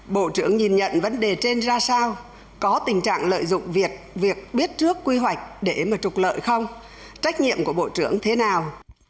bộ trưởng nhìn nhận vấn đề trên ra sao có tình trạng lợi dụng việc việc biết trước quy hoạch để mà trục lợi không trách nhiệm của bộ trưởng thế nào